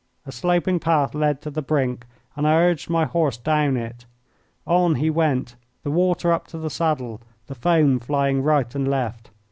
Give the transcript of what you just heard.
A sloping path led to the brink and I urged my horse down it. On he went, the water up to the saddle, the foam flying right and left.